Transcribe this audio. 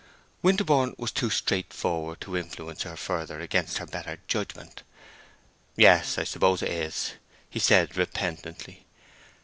Winterborne was too straightforward to influence her further against her better judgment. "Yes—I suppose it is," he said, repentantly.